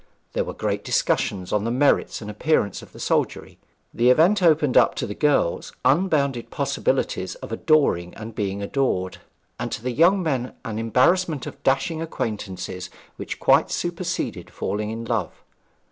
There were great discussions on the merits and appearance of the soldiery. The event opened up, to the girls unbounded possibilities of adoring and being adored, and to the young men an embarrassment of dashing acquaintances which quite superseded falling in love.